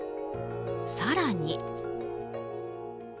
更に。